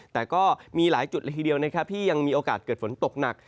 แต่ก็มีหลายจุดละทีเดียวนะครับที่ยังมีโอกาสเกิดฝนตกหนัก